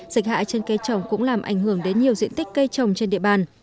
dịch hại trên cây trồng cũng làm ảnh hưởng đến nhiều diện tích cây trồng trên địa bàn